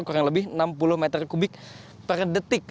kurang lebih enam puluh meter kubik per detik